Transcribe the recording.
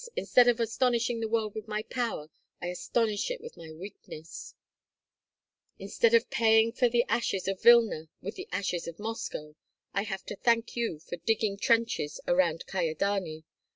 Instead of astonishing the world with my power, I astonish it with my weakness; instead of paying for the ashes of Vilna with the ashes of Moscow, I have to thank you for digging trenches around Kyedani.